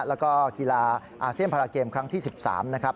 แล้วก็กีฬาอาเซียนพาราเกมครั้งที่๑๓นะครับ